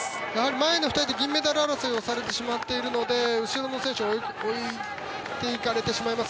前の２人で銀メダル争いをされてしまっているので後ろの選手が置いていかれてしまいます。